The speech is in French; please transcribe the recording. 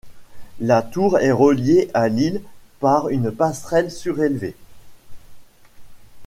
La tour est reliée à l'île par une passerelle surélevée.